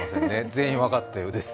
全員分かったようです。